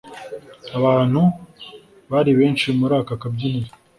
Abantu bari benshi muri aka kabyiniro